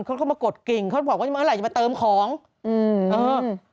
เขาก็มากดกิ่งเขาบอกว่าเมื่อไหร่จะมาเติมของอืมเออ